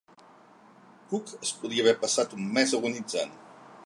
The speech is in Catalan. Cook es podia haver passat un mes agonitzant!